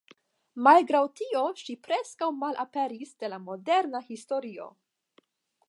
Malgraŭ tio ŝi preskaŭ malaperis de la moderna historio.